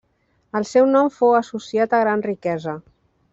El seu nom fou associat a gran riquesa.